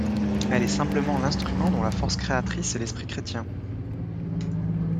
Elle est simplement l'instrument dont la force créatrice est l'esprit chrétien.